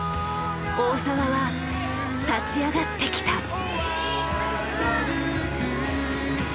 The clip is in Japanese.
大澤は立ち上がってきた。